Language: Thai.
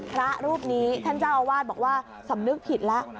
พระรูปนี้ท่านเจ้าอาวาสบอกว่าสำนึกผิดแล้ว